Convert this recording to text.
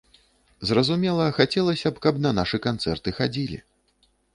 Зразумела, хацелася б, каб на нашы канцэрты хадзілі.